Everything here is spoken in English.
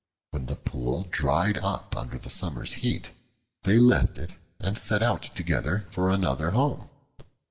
When the pool dried up under the summer's heat, they left it and set out together for another home.